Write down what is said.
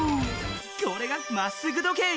これが「まっすぐ時計」。